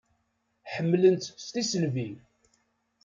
Ḥemmlen-tt s tisselbi.